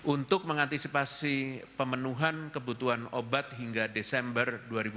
untuk mengantisipasi pemenuhan kebutuhan obat hingga desember dua ribu dua puluh